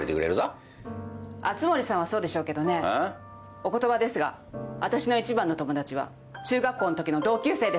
お言葉ですがあたしの一番の友達は中学校のときの同級生です。